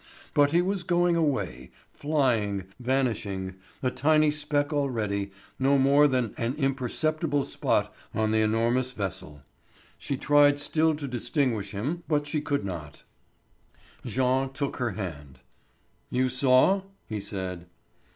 But he was going away, flying, vanishing, a tiny speck already, no more than an imperceptible spot on the enormous vessel. She tried still to distinguish him, but she could not. Jean took her hand. "You saw?" he said.